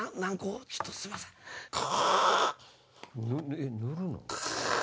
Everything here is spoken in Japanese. えっ塗るの？